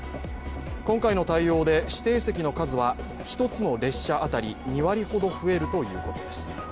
今回の対応で指定席の数は１つの列車当たり２割ほど増えるということです。